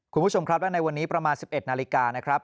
คุณผู้ชมครับและในวันนี้ประมาณ๑๑นาฬิกานะครับ